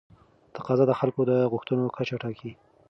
تقاضا د خلکو د غوښتنو کچه ټاکي.